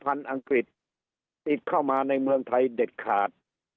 สายพันธุ์อังกฤษติดเข้ามาในเมืองไทยเด็ดขาด